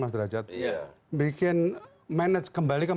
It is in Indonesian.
maksud cuarto as a tangible